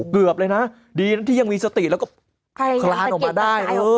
เกือบเลยนะดีนะที่ยังมีสติแล้วก็คลานออกมาได้